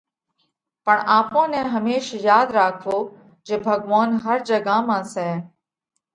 پڻ آپون نئہ هميش ياڌ راکوو جي ڀڳوونَ هر جڳا مانه سئہ۔